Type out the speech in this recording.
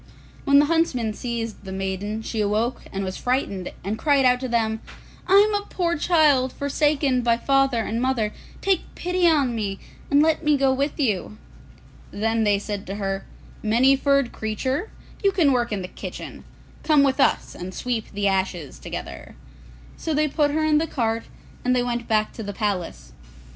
When the huntsmen seized the maiden, she awoke and was frightened, and cried out to them, 'I am a poor child, forsaken by father and mother; take pity on me, and let me go with you.' Then they said to her, 'Many furred Creature, you can work in the kitchen; come with us and sweep the ashes together.' So they put her in the cart and they went back to the palace.